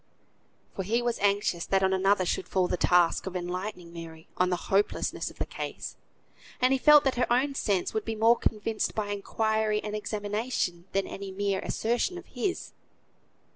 For he was anxious that on another should fall the task of enlightening Mary on the hopelessness of the case, and he felt that her own sense would be more convinced by inquiry and examination than any mere assertion of his.